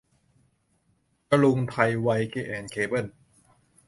จรุงไทยไวร์แอนด์เคเบิ้ล